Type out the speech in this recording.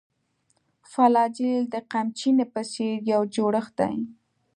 فلاجیل د قمچینې په څېر یو جوړښت دی.